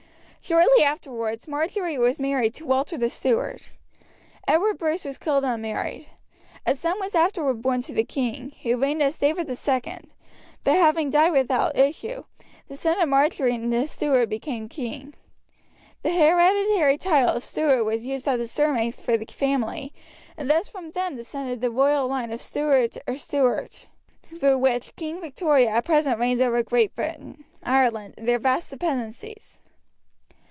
Shortly afterwards Marjory was married to Walter the Steward. Edward Bruce was killed unmarried. A son was afterwards born to the king, who reigned as David II, but having died without issue, the son of Marjory and the Steward became king. The hereditary title of Steward was used as the surname for the family, and thus from them descended the royal line of Stewart or Stuart, through which Queen Victoria at present reigns over Great Britain, Ireland, and their vast dependencies.